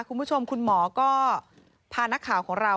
คุณผู้ชมคุณหมอก็พานักข่าวของเรา